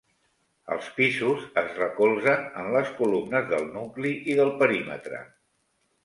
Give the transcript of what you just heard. Els pisos es recolzen en les columnes del nucli i del perímetre.